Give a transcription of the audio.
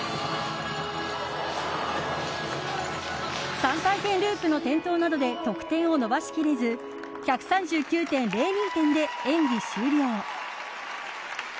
３回転ループの転倒などで得点を伸ばしきれず１３９．０２点で演技終了。